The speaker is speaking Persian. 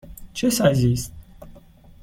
چه سایزی است؟